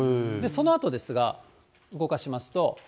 そのあとですが、動かしますと。